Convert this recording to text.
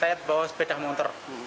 langsung dibawa ke sini pakai kendaraan apa